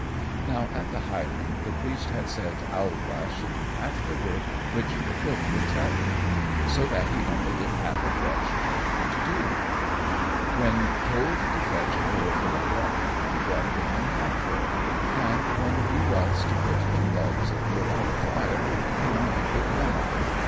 Now, at the hiring, the Priest had said Owlglass should do half the work which the cook would tell him, so that he only did the half of what she told him to do. [Illustration: Owlglass eats the Priest's Fowl.] When told to fetch a pail full of water, he brought it only half full, and when he was to put two logs of wood on the fire, he only put one on.